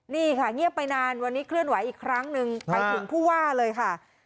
นี่ค่ะเงียบไปนานวันนี้เคลื่อนไหวอีกครั้งหนึ่งไปถึงผู้ว่าเลยค่ะ